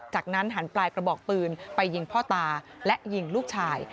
จากนั้นหันปลายกระบอกปืนไปยิงพ่อตาและยิงลูกชาย